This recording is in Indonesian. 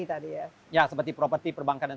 tadi ya seperti properti perbankan dan